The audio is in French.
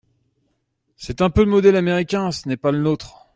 C’est un peu le modèle américain, ce n’est pas le nôtre.